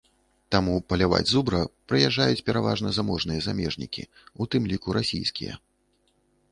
Таму паляваць зубра прыязджаюць пераважна заможныя замежнікі, у тым ліку расійскія.